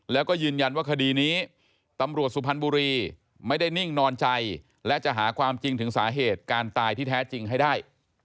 แล้วก็ยืนยันว่าคดีนี้ตำรวจสุพรรณบุรีไม่ได้นิ่งนอนใจและจะหาความจริงถึงสาเหตุการตายที่แท้จริงให้ได้